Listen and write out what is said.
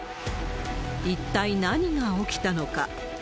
一体何が起きたのか。